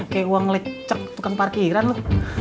kayak uang lecek tukang parkiran loh